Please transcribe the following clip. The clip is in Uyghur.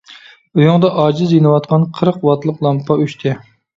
ئۆيۈڭدە ئاجىز يېنىۋاتقان قىرىق ۋاتلىق لامپا ئۆچتى.